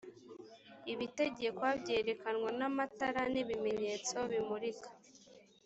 ibitegekwa byerekanwa n amatara n’ibimenyetso bimurika